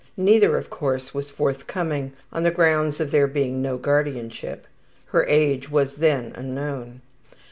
Neither, of course, was forthcoming, on the grounds of there being no guardianship. (Her age was then unknown.)